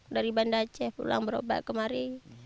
dari bandar aceh pulang berobat kemari